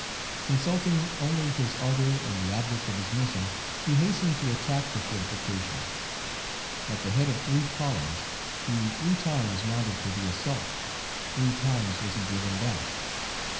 Consulting only his ardor and the object of his mission, he hastened to attack the fortification. At the head of three columns he three times mounted to the assault; three times was he driven back.